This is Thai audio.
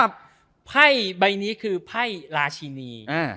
ใบใบนี้คือใบราชินี